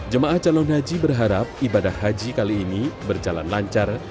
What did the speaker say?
jemaah calon haji berharap ibadah haji kali ini berjalan lancar